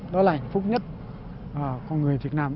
đó là hạnh phúc nhất của người việt nam